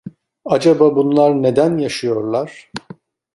Acaba bunlar neden yaşıyorlar?